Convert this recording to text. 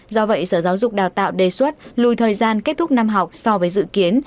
do vậy sở giáo dục đào tạo đề xuất lùi thời gian kết thúc năm học so với dự kiến